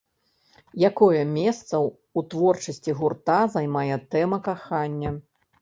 Якое месца ў творчасці гурта займае тэма кахання?